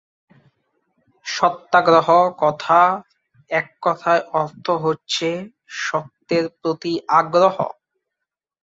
সত্যাগ্রহ কথার এককথায় অর্থ হচ্ছে সত্যের প্রতি আগ্রহ।